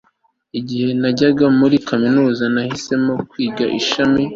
Igihe najyaga muri kaminuza nahisemo kwiga shimi